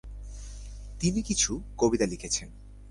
তিনি কিছু কবিতা লিখেছেন।